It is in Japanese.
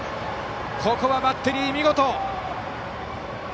ここはバッテリー、見事。